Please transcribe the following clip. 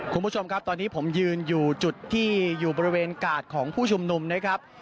คุณผู้ชมครับตอนนี้ผมยืนอยู่จุดที่อยู่บริเวณกาดของผู้ชุมนุมนะครับ